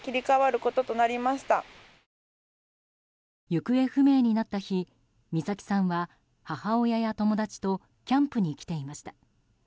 行方不明になった日美咲さんは母親や友達とキャンプに来ていました。